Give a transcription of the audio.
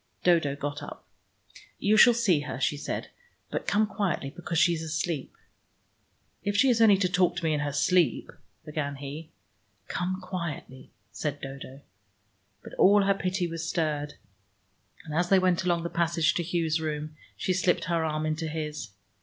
Dodo got up. "You shall see her," she said. "But come quietly, because she is asleep." "If she is only to talk to me in her sleep " began he. "Come quietly," said Dodo. But all her pity was stirred, and as they went along the passage to Hugh's room, she slipped her arm into his.